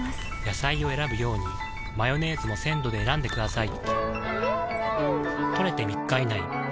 野菜を選ぶようにマヨネーズも鮮度で選んでくださいん！